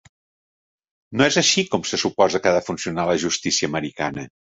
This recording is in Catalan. No és així com se suposa que ha de funcionar la justícia americana.